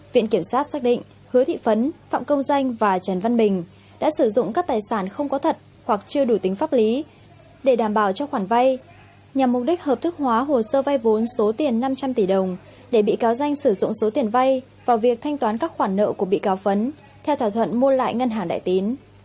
viện kiểm sát xác định hứa thị phấn phạm công danh và trần văn bình đã sử dụng các tài sản không có thật hoặc chưa đủ tính pháp lý để đảm bảo cho khoản vay nhằm mục đích hợp thức hóa hồ sơ vay vốn số tiền năm trăm linh tỷ đồng để bị cáo danh sử dụng số tiền vay vào việc thanh toán các khoản nợ của bị cáo phấn theo thỏa thuận mua lại ngân hàng đại tín